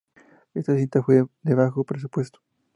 Esta cinta fue de bajo presupuesto.